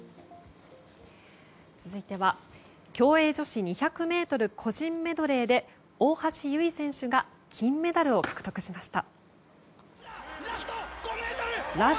続いては競泳女子２００ｍ個人メドレーで大橋悠依選手が金メダルを獲得しました。